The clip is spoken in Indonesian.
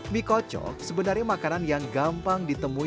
mie kocok sebenarnya makanan yang gampang ditemui